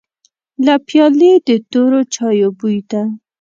له پيالې د تورو چايو بوی ته.